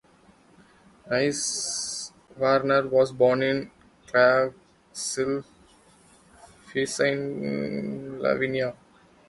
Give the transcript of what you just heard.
Nyswaner was born in Clarksville, Pennsylvania.